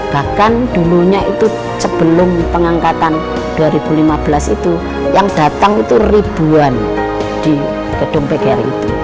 bahkan dulunya itu sebelum pengangkatan dua ribu lima belas itu yang datang itu ribuan di gedung pgri itu